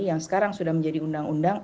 yang sekarang sudah menjadi undang undang